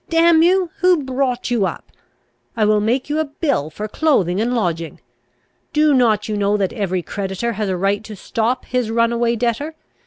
Damn you! who brought you up? I will make you a bill for clothing and lodging. Do not you know that every creditor has a right to stop his runaway debtor.